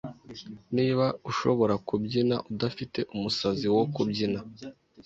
Niba ushobora kubyina udafite umusazi wo kubyina,